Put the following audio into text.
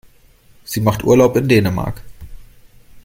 Sie macht Urlaub in Dänemark.